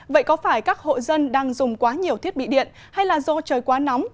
vậy có phải các hộ dân đang dùng quá nhiều thiết bị điện hay là do trời quá nóng